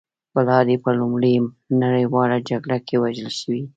پلار یې په لومړۍ نړۍواله جګړه کې وژل شوی و